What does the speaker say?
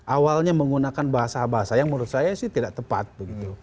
awalnya menggunakan bahasa bahasa yang menurut saya sih tidak tepat begitu